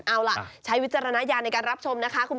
เอาล่ะใช้วิจารณญาณในการรับชมนะคะ